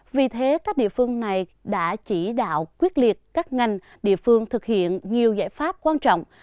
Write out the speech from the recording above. vì thế các địa phương này đã chỉ đạo quyết liệt các ngành địa phương thực hiện nhiều giải pháp quan trọng